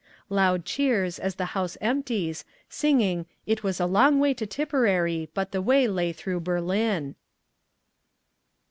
Loud Cheers as the House empties, singing "It was a Long Way to Tipperary, but the way lay through Berlin."